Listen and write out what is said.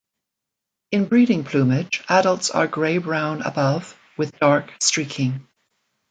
In breeding plumage, adults are grey-brown above, with dark streaking.